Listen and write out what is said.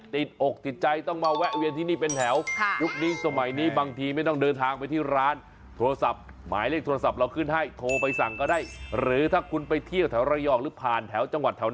ติดอกติดใจต้องมาแวะเวียนที่นี่เป็นแถว